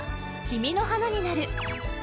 「君の花になる」